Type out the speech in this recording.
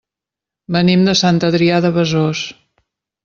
Venim de Sant Adrià de Besòs.